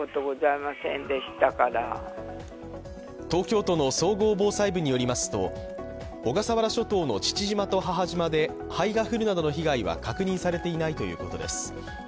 東京都の総合防災部によりますと、小笠原諸島の父島と母島で灰が降るなどの被害は確認されていないということです。